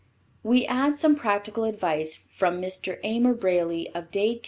We add some practical advice from Mr. Amer Braley of Dade Co.